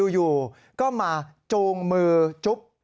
อยู่ก็มาจูงมือจุ๊บ